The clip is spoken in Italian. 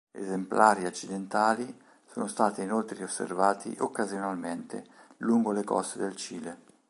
Esemplari accidentali sono stati inoltre osservati occasionalmente lungo le coste del Cile.